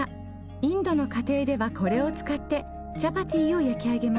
インドの家庭ではこれを使ってチャパティを焼き上げます。